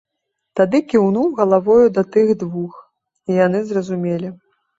Тады кіўнуў галавою да тых двух, і яны зразумелі.